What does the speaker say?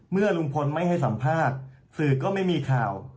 เมื่อลุงพลไม่ให้สัมภาษณ์สื่อก็ไม่มีข่าว